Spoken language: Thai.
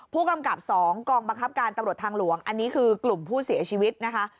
ผู้กำกับ๒กองบังคับการตำรวจทางหลวงอันนี้คือกลุ่มผู้เสียชีวิตนะคะ